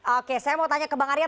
oke saya mau tanya ke bang arya